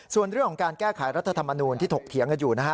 ส่วนเรื่องของการแก้ไขรัฐธรรมนูลที่ถกเถียงกันอยู่นะฮะ